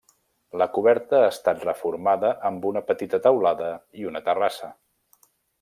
La coberta ha estat reformada amb una petita teulada i una terrassa.